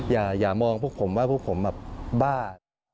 อย่ามองพวกผมว่าพวกผมแบบบ้า